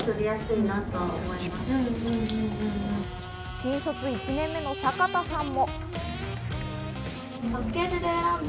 新卒１年目の坂田さんも。